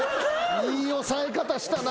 いい抑え方したな。